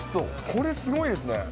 これ、すごいですね。